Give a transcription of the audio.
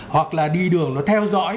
hoặc là đi đường nó theo dõi